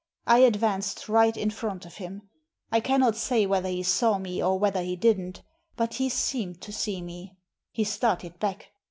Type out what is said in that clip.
I advanced right in front of him. I cannot say whether he saw me, or whether he didn't. But he seemed to see me. He started back.